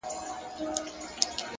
د نورو درناوی ځان ته درناوی دی.